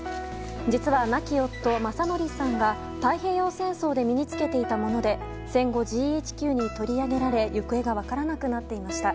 実は亡き夫・政徳さんが太平洋戦争で身に着けていたもので戦後、ＧＨＱに取り上げられ行方が分からなくなっていました。